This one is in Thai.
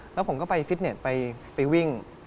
แล้วผมก็ไปฟิตเน็ตไปวิ่ง